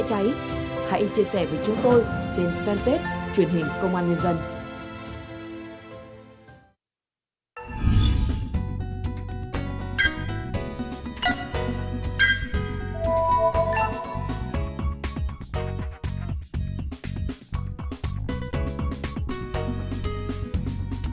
hãy chia sẻ với chúng tôi trên fanpage truyền hình công an nhân dân